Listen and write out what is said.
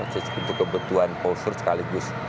sesuatu kebutuhan posture sekaligus